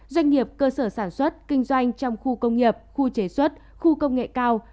doanh nghiệp cơ sở sản xuất kinh doanh trong khu công nghiệp khu chế xuất khu công nghệ cao